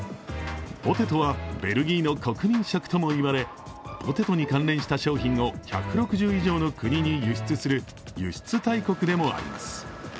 ポテトはベルギーの国民食とも言われポテトに関連した商品を１６０以上の国に輸出する輸出大国でもあります。